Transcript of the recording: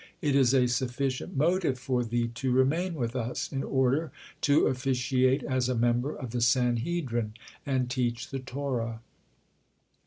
It is a sufficient motive for thee to remain with us, in order to officiate as a member of the Sanhedrin, and teach the Torah.